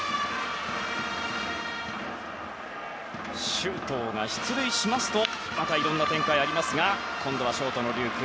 周東が出塁しますとまたいろんな展開がありますが今度はショートの龍空。